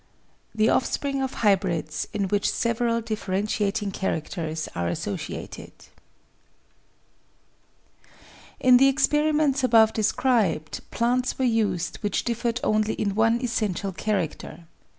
The Offspring of Hybrids in which several Differen tiating Characters are Associated In the experiments above described plants were used which differed only in one essential character.